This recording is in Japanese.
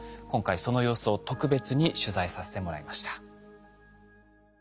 今回その様子を特別に取材させてもらいました。